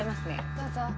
どうぞ。